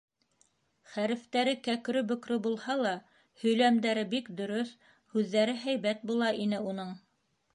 Хәрефтәре кәкре-бөкрө булһа ла, һөйләмдәре бик дөрөҫ, һүҙҙәре һәйбәт була ине уның.